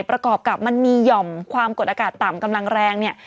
ประกอบกับมันมีหย่อมความกดอากาศต่ำกำลังแรงเนี่ย